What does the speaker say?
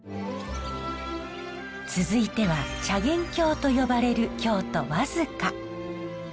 続いては茶源郷と呼ばれる京都・和束。